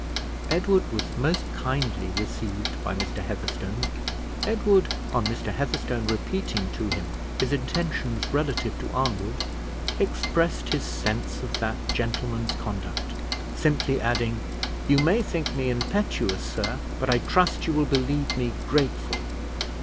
Edward was most kindly received by Mr. Heatherstone. Edward, on Mr. Heatherstone repeating to him his intentions relative to Arnwood, expressed his sense of that gentleman's conduct, simply adding "You may think me impetuous, sir, but I trust you will believe me grateful."